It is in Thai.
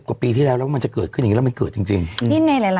อุณหภูมิจะลด๑๓องศาเซลเซียส